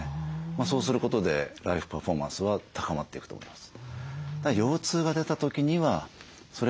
そうすることでライフパフォーマンスは高まっていくと思います。